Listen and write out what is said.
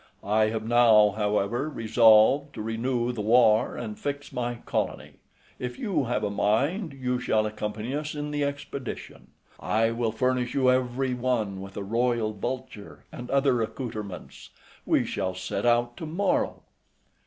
I have now, however, resolved to renew the war and fix my colony; if you have a mind, you shall accompany us in the expedition; I will furnish you everyone with a royal vulture and other accoutrements; we shall set out to morrow."